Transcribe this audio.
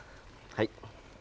はい。